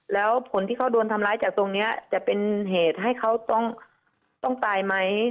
แล้วผลที่เขาโดนทำร้ายจากตรงนี้จะเป็นเหตุให้เขาต้องตายไหม